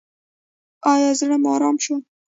ایا زړه مو ارام شو؟